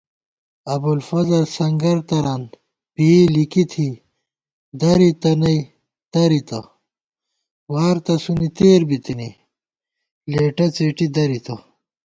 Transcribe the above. ابُوالفضل سنگر تران پېئ لِکی تھی درِتہ نئ ترِتہ * وار تسُونی تېت بِتِنی لېٹہ څېٹی دَرِتہ